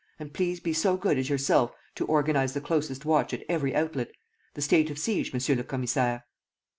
And please be so good as yourself to organize the closest watch at every outlet. The state of siege, Monsieur le Commissaire.